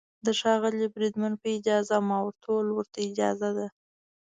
د ښاغلي بریدمن په اجازه، ما ورته وویل: ورته اجازه ده.